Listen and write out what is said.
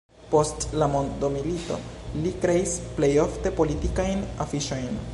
Post la mondomilito li kreis plej ofte politikajn afiŝojn.